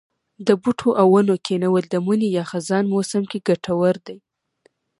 د بوټو او ونو کښېنول د مني یا خزان موسم کې کټور دي.